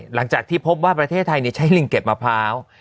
หลังจากที่พบว่าประเทศไทยใช้ลิงเก็บมะพร้าว